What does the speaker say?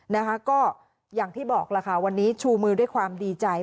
นะคะก็อย่างที่บอกล่ะค่ะวันนี้ชูมือด้วยความดีใจ